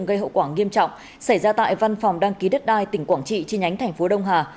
gây hậu quả nghiêm trọng xảy ra tại văn phòng đăng ký đất đai tỉnh quảng trị chi nhánh tp đông hà